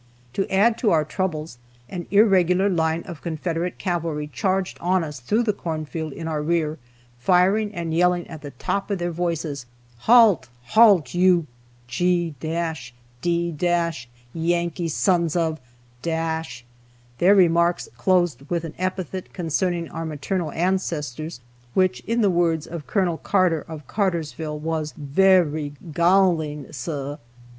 To add to our troubles, an irregular line of Confederate cavalry charged on us through the corn field in our rear, firing and yelling at the top of their voices, "Halt! Halt! you G d Yankee sons of !" their remarks closing with an epithet concerning our maternal ancestors which, in the words of Colonel Carter of Cartersville, was "vehy gallin', suh."